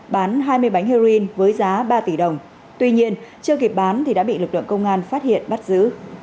bán hai mươi bánh heroin với giá ba tỷ đồng tuy nhiên chưa kịp bán thì đã bị lực lượng công an phát hiện bắt giữ